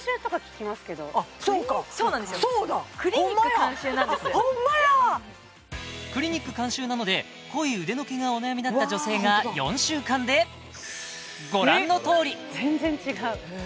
監修あっそうかクリニック監修なので濃い腕の毛がお悩みだった女性が４週間でご覧のとおり！